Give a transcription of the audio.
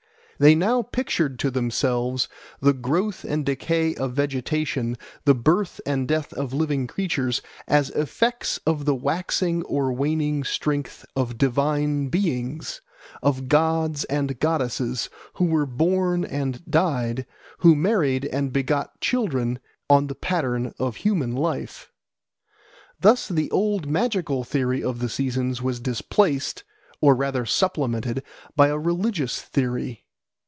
They now pictured to themselves the growth and decay of vegetation, the birth and death of living creatures, as effects of the waxing or waning strength of divine beings, of gods and goddesses, who were born and died, who married and begot children, on the pattern of human life. Thus the old magical theory of the seasons was displaced, or rather supplemented, by a religious theory.